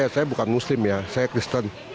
saya bukan muslim ya saya kristen